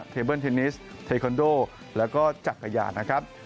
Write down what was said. เบิ้ลเทนนิสเทคอนโดแล้วก็จักรยานนะครับ